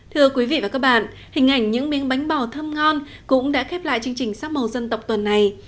thưa quý vị và các bạn hình ảnh những miếng bánh bò thơm ngon cũng đã khép lại chương trình sắc màu dân tộc tuần này